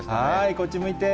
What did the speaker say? こっち向いて。